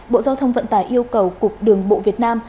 bộ giao thông vận tải yêu cầu cục đường bộ việt nam